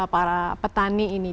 para petani ini